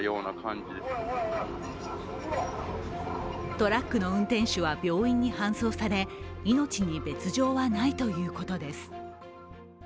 トラックの運転手は病院に搬送され命に別状はないということです。